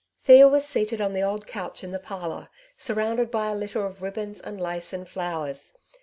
Thea was seated on the old couch in the parlour, , surrounded by a litter of ribbons and lace and flowers.